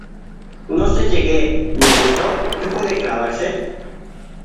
no se llegue, mi amito , que puede clavarse...